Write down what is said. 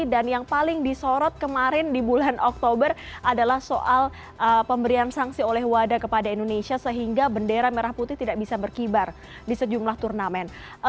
dan yang paling disorot kemarin di bulan oktober adalah soal pemberian sanksi oleh wada kepada indonesia sehingga bendera merah putih tidak bisa berkibar di sejumlah turnamen